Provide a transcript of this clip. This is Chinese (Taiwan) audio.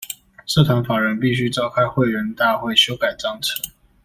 社團法人必須召開會員大會修改章程